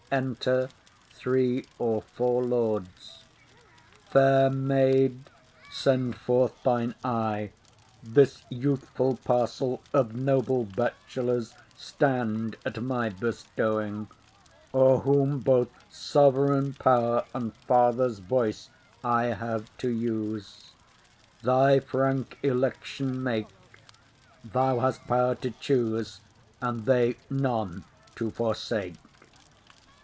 Enter several Lords. Fair maid, send forth thine eye. This youthful parcel Of noble bachelors stand at my bestowing, O'er whom both sovereign power and father's voice I have to use. Thy frank election make; Thou hast power to choose, and they none to forsake.